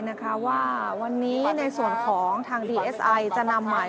เมื่อเวลาอันดับสุดท้ายเมื่อเวลาอันดับสุดท้าย